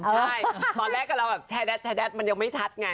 ตอนแรกแหละแว้มแช่แว้มแว้มแว้มแว้มแวดยังไม่ชัดไง